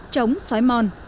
chống xói mòn